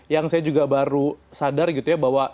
yang saya juga baru sadar gitu ya bahwa